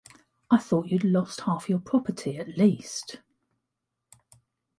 I thought you had lost half your property, at least.